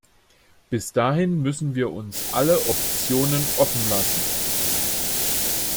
Bis dahin müssen wir uns alle Optionen offen lassen.